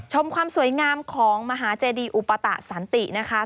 ความสวยงามของมหาเจดีอุปตะสันตินะคะ